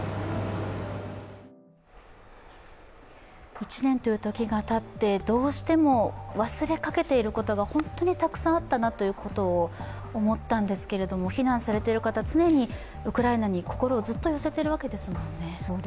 １年という時がたってどうしても忘れかけていることが本当にたくさんあったなということを思ったんですけれども避難されている方、常にウクライナに心をずっと寄せているわけですもんね。